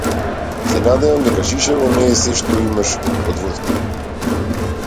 Се надевам дека шишево не е сѐ што имаш од водка.